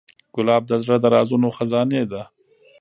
ګلاب د زړه د رازونو خزانې ده.